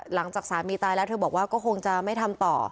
หลังจากสามีตายแล้วเธอบอกว่าก็คงจะไม่ทำต่อ